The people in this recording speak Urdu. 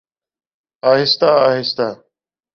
آہستہ آہستہ۔